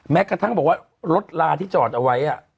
กระทั่งบอกว่ารถลาที่จอดเอาไว้